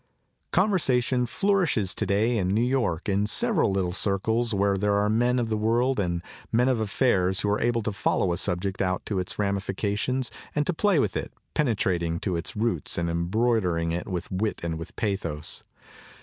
Conversation flourishes today in New York in several little circles where there are men of the world and men of affairs who are able to follow a subject out into its ramifica tions and to play with it, penetrating to its roots and embroidering it with wit and with pathos.